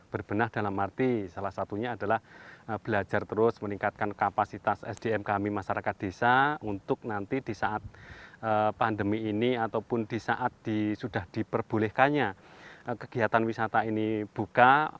berbenah dalam arti salah satunya adalah belajar terus meningkatkan kapasitas sdm kami masyarakat desa untuk nanti di saat pandemi ini ataupun di saat sudah diperbolehkannya kegiatan wisata ini buka